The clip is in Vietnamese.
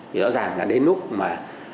thì rõ ràng là đến lúc mà